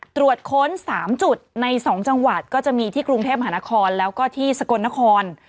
ตรวจค้น๓จุดใน๒จังหวัดก็จะมีที่กรุงเทพมหานครแล้วก็ที่สกลนคร